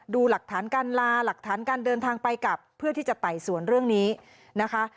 ดูหลักฐานการลาหลักฐานการเดินทางไปกลับเพื่อที่จะไต่สวนเรื่องนี้นะคะ